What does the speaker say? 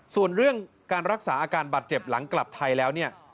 ส่วนเรื่องการรักษาอาการบาดเจ็บหลังกลับไทยแล้วเนี่ย